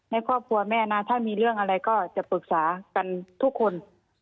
ในครอบครัวแม่นะถ้ามีเรื่องอะไรก็จะปรึกษากันทุกคน